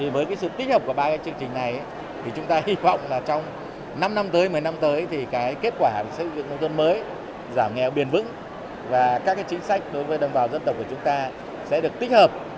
với sự tích hợp của ba chương trình này chúng ta hy vọng trong năm năm tới một mươi năm tới thì kết quả xây dựng nông thôn mới giảm nghèo bền vững và các chính sách đối với đồng bào dân tộc của chúng ta sẽ được tích hợp